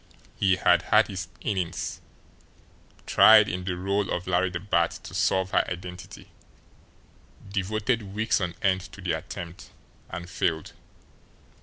He had had his innings, tried in the role of Larry the Bat to solve her identity, devoted weeks on end to the attempt and failed.